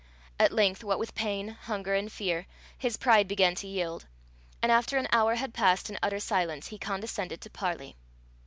At length, what with pain, hunger, and fear, his pride began to yield, and, after an hour had passed in utter silence, he condescended to parley.